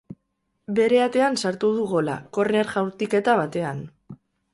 Bere atean sartu du gola, korner jaurtiketa batean.